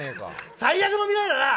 最悪の未来だな！